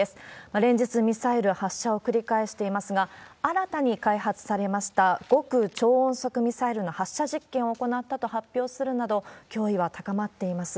連日、ミサイル発射を繰り返していますが、新たに開発されました極超音速ミサイルの発射実験を行ったと発表するなど、脅威は高まっています。